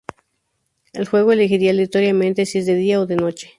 El juego elegirá aleatoriamente si es de día o de noche.